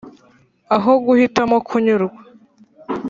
aho guhitamo kunyurwa.